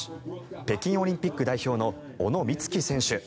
北京オリンピック代表の小野光希選手。